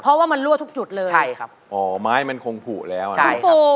เพราะว่ามันรั่วทุกจุดเลยใช่ครับอ๋อไม้มันคงผูแล้วอ่ะใช่ครับ